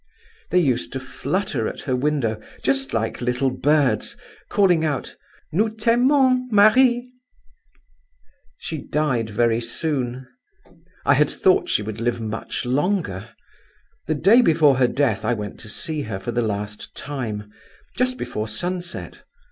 They used to flutter at her window just like little birds, calling out: 'Nous t'aimons, Marie!' "She died very soon; I had thought she would live much longer. The day before her death I went to see her for the last time, just before sunset.